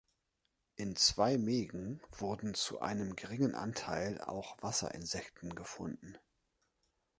In zwei Mägen wurden zu einem geringen Anteil auch Wasserinsekten gefunden.